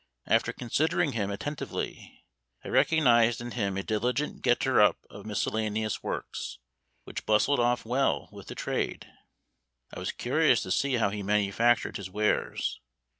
After considering him attentively, I recognized in him a diligent getter up of miscellaneous works, which bustled off well with the trade. I was curious to see how he manufactured his wares.